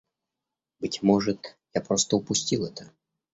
Быть может, я просто упустил это.